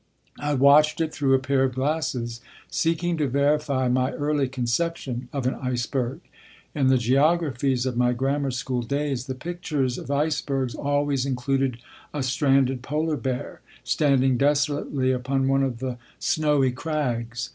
I watched it through a pair of glasses, seeking to verify my early conception of an iceberg in the geographies of my grammar school days the pictures of icebergs always included a stranded polar bear, standing desolately upon one of the snowy crags.